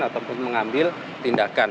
ataupun mengambil tindakan